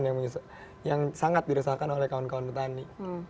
yang sangat dirasakan oleh kawan kawan petani